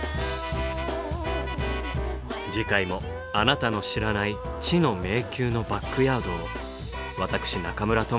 次回もあなたの知らない知の迷宮のバックヤードを私中村倫也がご案内いたします。